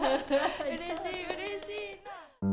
うれしいうれしい。